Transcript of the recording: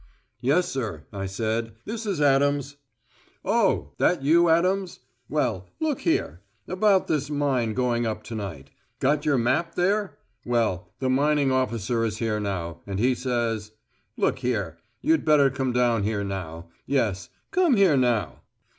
"Yes, sir," I said. "This is Adams." "Oh! that you, Adams? Well, look here about this mine going up to night. Got your map there? Well, the mining officer is here now, and he says.... Look here, you'd better come down here now. Yes, come here now."